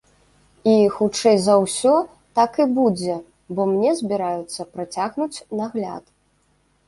І, хутчэй за ўсё, так і будзе, бо мне збіраюцца працягнуць нагляд.